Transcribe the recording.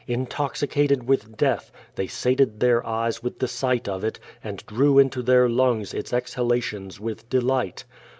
Intoxicated with death, they sated their eyes with the sight of it, and drew into their lungs its exhalations with delight.